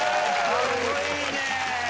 かっこいいね。